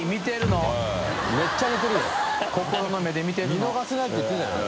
見逃せないって言ってたのに。